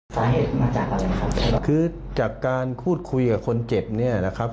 สาเหตุมาจากอะไรครับคือจากการพูดคุยกับคนเจ็บเนี่ยนะครับ